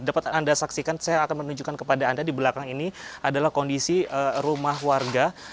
dapat anda saksikan saya akan menunjukkan kepada anda di belakang ini adalah kondisi rumah warga